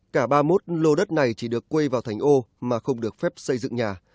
cả ba mươi một lô đất này chỉ được quây vào thành ô mà không được phép xây dựng nhà